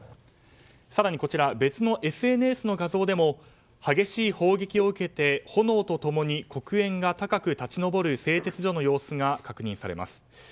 更にこちら別のＳＮＳの画像でも激しい砲撃を受けて炎と共に、黒煙が高く立ち上る製鉄所の様子が確認されます。